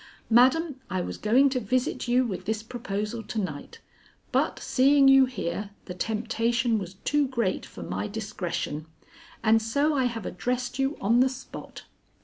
Madam, I was going to visit you with this proposal to night, but seeing you here, the temptation was too great for my discretion, and so I have addressed you on the spot.